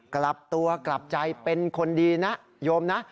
กลับตัวกลับใจเป็นคนดีนะโยมนะ